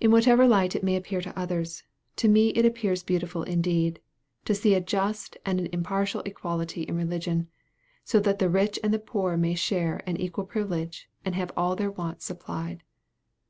In whatever light it may appear to others, to me it appears beautiful indeed, to see a just and an impartial equality reign, so that the rich and the poor may share an equal privilege, and have all their wants supplied.